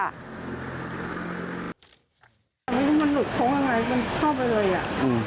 มันหลุดโท๊ะมากมายมันเข้าไปเลยอ่ะ